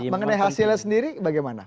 mengenai hasilnya sendiri bagaimana